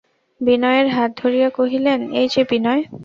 বিনয়ের হাত ধরিয়া কহিলেন, এই-যে বিনয়!